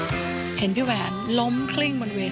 พี่ว่าความมีสปีริตของพี่แหวนเป็นตัวอย่างที่พี่จะนึกถึงเขาเสมอ